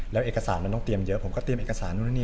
แล้วเอกสารมันต้องเตรียมเยอะผมก็เตรียมเอกสารนู่นนี่